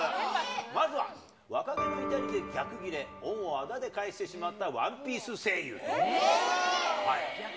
まずは若気の至りで逆ギレ、恩をあだで返してしまったワンピース声優。